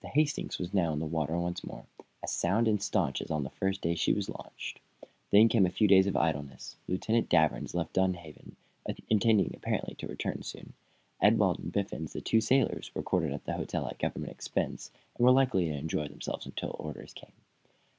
The "Hastings" was now in the water once more, as sound and staunch as on the first day she was launched. Then came a few days of idleness. Lieutenant Danvers left Dunhaven, intending apparently to return soon. Ewald and Biffens, the two sailors, were quartered at the hotel at government expense, and were likely to enjoy themselves until orders came.